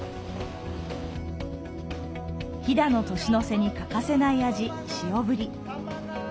飛騨の年の瀬に欠かせない味、塩ブリ。